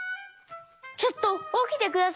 ちょっとおきてください！